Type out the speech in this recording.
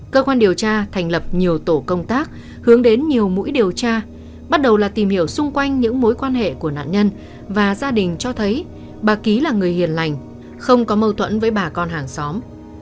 cơ quan điều tra thành lập nhiều tổ công tác hướng đến nhiều mũi điều tra bắt đầu là tìm hiểu xung quanh những mối quan hệ của nạn nhân và gia đình cho thấy bà ký là người hiền lành không có mâu thuẫn với bà con hàng xóm